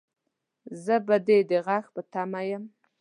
زه به دې د غږ په تمه يم